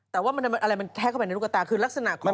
แต่ว่าอะไรมันแทกเข้าไปในลูกกระตาคือลักษณะของ